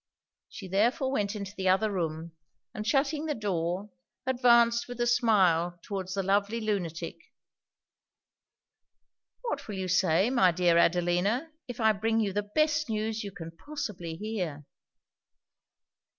She therefore went into the other room, and shutting the door, advanced with a smile towards the lovely lunatic. 'What will you say, my dear Adelina, if I bring you the best news you can possibly hear?'